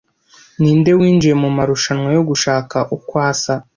Ninde winjiye mumarushanwa yo gushaka uko asa